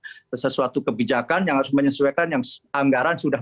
karena ini sebuah kebijakan sesuatu kebijakan yang harus menyesuaikan yang anggaran sesuatu